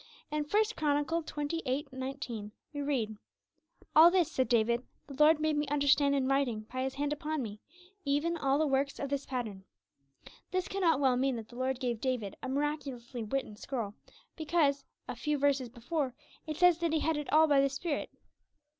In 1 Chron. xxviii. 19, we read: 'All this, said David, the Lord made me understand in writing by His hand upon me, even all the works of this pattern.' This cannot well mean that the Lord gave David a miraculously written scroll, because, a few verses before, it says that he had it all by the Spirit.